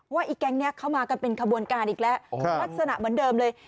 ไอ้แก๊งนี้เข้ามากันเป็นขบวนการอีกแล้วลักษณะเหมือนเดิมเลย